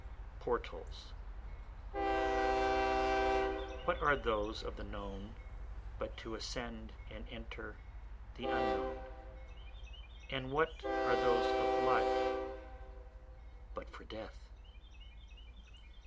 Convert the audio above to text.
Portals What are those of the known but to ascend and enter the Unknown? And what are those of life but for Death?